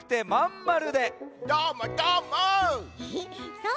そう？